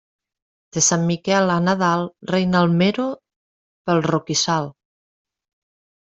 De Sant Miquel a Nadal reina el mero pel roquissal.